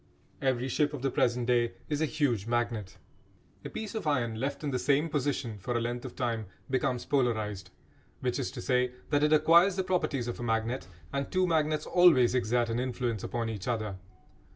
Every ship of the present day is a huge magnet. A piece of iron left in the same position for a length of time becomes polarised, which is to say that it acquires the properties of a magnet; and two magnets always exert an influence upon each other.